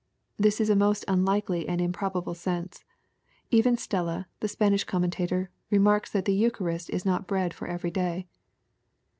This is a most unlikely and improbable sense. Even Stella, the Spanish Commentator, remarks that the Eucharist is not bread for every day.